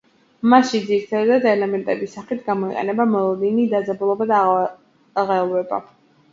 მასში ძირითადი ელემენტების სახით გამოიყენება მოლოდინი, დაძაბულობა და აღელვება.